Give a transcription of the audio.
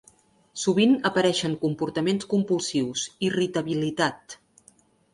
Sovint apareixen comportaments compulsius, irritabilitat.